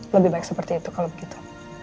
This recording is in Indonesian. lebih baik seperti itu kalau begitu